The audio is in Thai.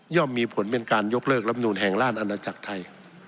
มีผลเป็นการยกเลิกลำนูนแห่งราชอาณาจักรไทย